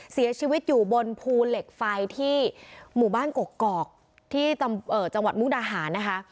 เสียชีวิตอยู่บนภูเหล็กไฟที่หมู่บ้านกกอกที่จังหวัดมุกดาหารนะคะ